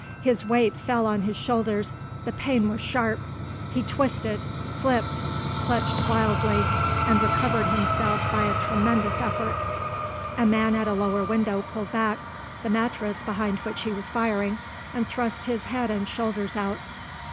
His weight fell on his shoulders; the pain was sharp; he twisted, slipped, clutched wildly, and recovered himself by a tremendous effort. A man at a lower window pulled back the mattress behind which he was firing and thrust his head and shoulders out.